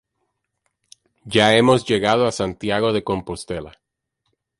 Ya hemos llegado a Santiago de Compostela.